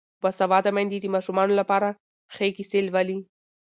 باسواده میندې د ماشومانو لپاره ښې کیسې لولي.